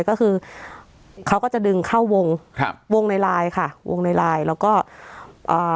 ก็คือเขาก็จะดึงเข้าวงครับวงในไลน์ค่ะวงในไลน์แล้วก็อ่า